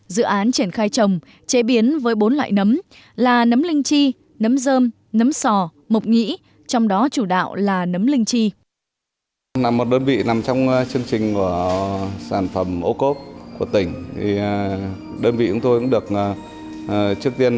dự án triển khai trồng chế biến với bốn loại nấm là nấm linh chi nấm dơm nấm sò mọc nhĩ trong đó chủ đạo là nấm linh chi